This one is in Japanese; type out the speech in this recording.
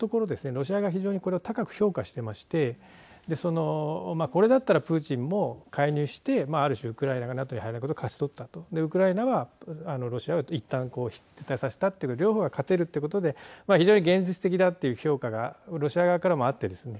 ロシア側、非常にこれを高く評価していましてこれだったらプーチンも介入してある種、ウクライナがＮＡＴＯに入ることを勝ち取ったとウクライナはロシアをいったん撤退させたというか両方が勝てるということで非常に現実的だという評価がロシア側からもあってですね